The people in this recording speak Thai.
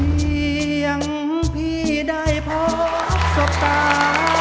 พี่ยังพี่ได้พบสุขา